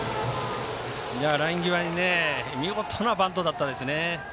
ライン際に見事なバントだったですね。